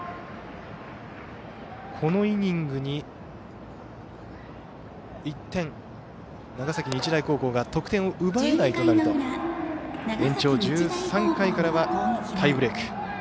このイニングに１点、長崎日大高校が得点を奪えないとなると延長１３回からはタイブレーク。